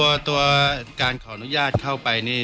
ตัวการขออนุญาตเข้าไปนี่